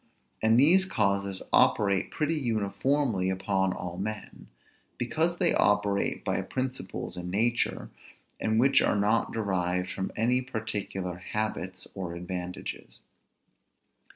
And these causes operate pretty uniformly upon all men, because they operate by principles in nature, and which are not derived from any particular habits or advantages.